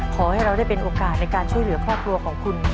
ขอให้เราได้เป็นโอกาสในการช่วยเหลือครอบครัวของคุณ